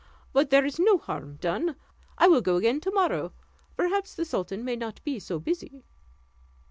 But there is no harm done; I will go again to morrow; perhaps the sultan may not be so busy."